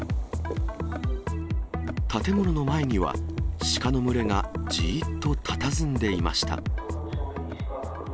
建物の前には、シカの群れがじーっとたたずんでいました。